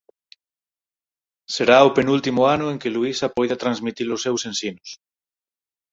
Será o penúltimo ano en que Luisa poida transmitir os seus ensinos.